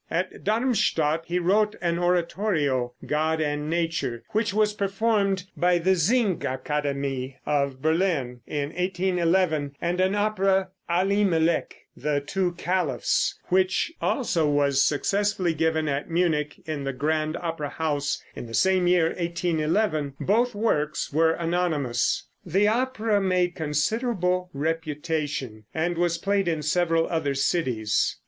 At Darmstadt he wrote an oratorio "God and Nature," which was performed by the Singakademie, of Berlin, in 1811; and an opera, "Alimelek" ("The Two Caliphs"), which also was successfully given at Munich in the Grand Opera House in the same year, 1811. Both works were anonymous. The opera made considerable reputation, and was played in several other cities.